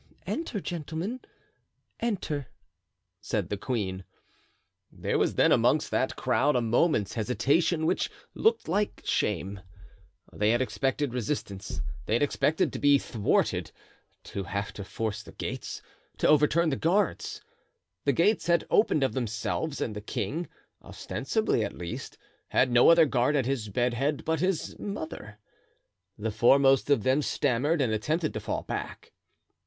"Enter, gentlemen, enter," said the queen. There was then amongst that crowd a moment's hesitation, which looked like shame. They had expected resistance, they had expected to be thwarted, to have to force the gates, to overturn the guards. The gates had opened of themselves, and the king, ostensibly at least, had no other guard at his bed head but his mother. The foremost of them stammered and attempted to fall back.